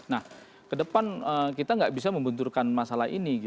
nah kedepan kita gak bisa membenturkan masalah ini